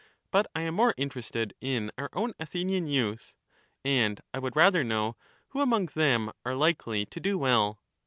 But I Dialogue, am more interested in our own Athenian youth, and I would socrates. rather know who among them are likely to do well.